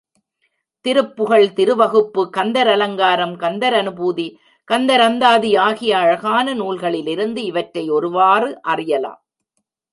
திருப்புகழ், திருவகுப்பு, கந்தர் அலங்காரம், கந்தர் அநுபூதி, கந்தர் அந்தாதி ஆகிய அழகான நூல்களிலிருந்து இவற்றை ஒருவாறு அறியலாம்.